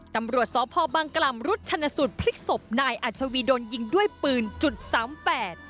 ตำรวจสพบังกล่ำรุดชนสูตรพลิกศพนายอัชวีโดนยิงด้วยปืนจุดสามแปด